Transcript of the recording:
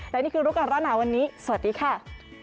และนี่คือรู้ก่อนร้อนหนาวันนี้สวัสดีค่ะ